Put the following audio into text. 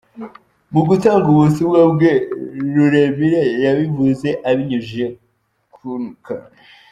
Mu gutanga ubu butumwa bwe, Ruremire yabivuze abinyujije kun ka.